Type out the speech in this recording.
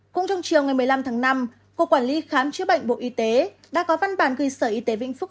cũng trong chiều ngày một mươi năm tháng năm cục quản lý khám chữa bệnh bộ y tế đã có văn bản gửi sở y tế vĩnh phúc